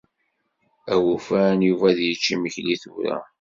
Awufan Yuba ad yečč imekli tura.